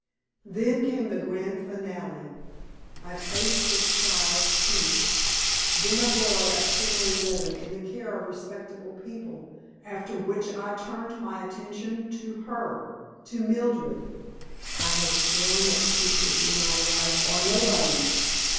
Then came the grand finale. I placed his child Keith, then a boy of ten or eleven, in the care of respectable people, after which I turned my attention to her to Mildred. I had sworn that she should be my wife or nobody's.